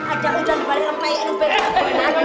ada udang di barang rempe